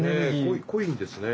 濃いんですね。